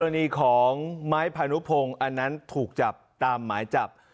ตรงที่ของไม้ผนุพงอันนั้นถูกจับตามหมายจับ